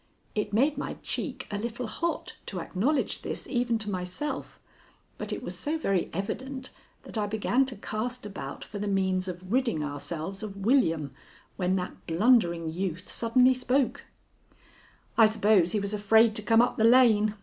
It made my cheek a little hot to acknowledge this even to myself, but it was so very evident that I began to cast about for the means of ridding ourselves of William when that blundering youth suddenly spoke: "I suppose he was afraid to come up the lane.